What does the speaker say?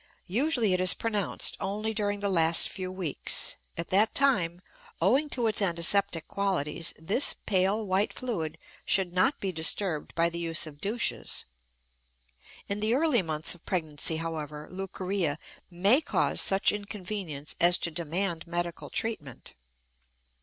Usually it is pronounced only during the last few weeks. At that time, owing to its antiseptic qualities, this pale white fluid should not be disturbed by the use of douches. In the early months of pregnancy, however, leucorrhea may cause such inconvenience as to demand medical treatment.